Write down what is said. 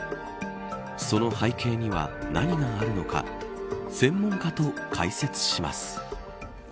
その背景には何があるのか専門家と解説します。